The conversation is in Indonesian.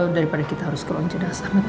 daripada kita harus keluar jenazah